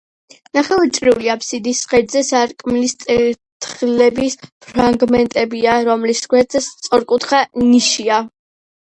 ნახევარწრიული აფსიდის ღერძზე სარკმლის წირთხლების ფრაგმენტებია, რომლის გვერდებზე სწორკუთხა ნიშია.